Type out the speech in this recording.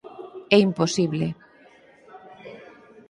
É imposible!